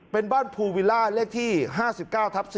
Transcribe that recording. เป็นบ้านภูวิลล่าเลขที่๕๙ทับ๔